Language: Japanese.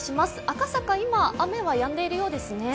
赤坂、今、雨はやんでいるようですね。